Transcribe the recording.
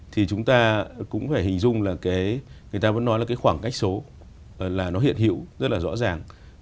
thì chúng ta cũng phải hình dung là cái người ta vẫn nói là cái khoảng cách số là nó hiện hữu rất là rõ ràng